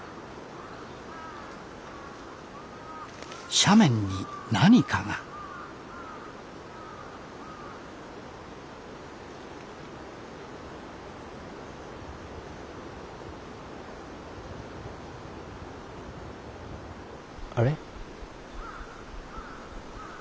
斜面に何かがあれ？